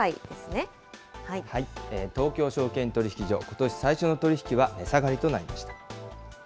東京証券取引所、ことし最初の取り引きは値下がりとなりました。